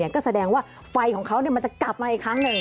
ก็แสดงว่าไฟของเขามันจะกลับมาอีกครั้งหนึ่ง